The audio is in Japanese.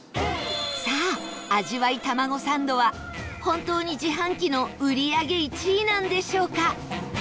さあ、味わいたまごサンドは本当に、自販機の売り上げ１位なんでしょうか？